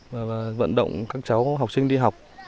và vận động các cháu học sinh đi học